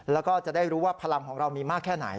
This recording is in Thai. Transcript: แล้วก็จะได้รู้ว่าพลังของเรามีมากแค่ไหน